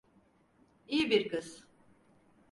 İyi bir kız.